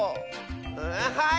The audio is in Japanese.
はい！